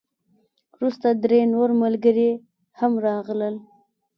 وروسته درې نور ملګري هم راغلل.